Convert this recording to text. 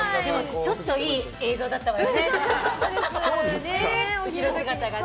ちょっといい映像だったわよね。